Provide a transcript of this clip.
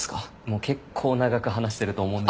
もう結構長く話してると思う。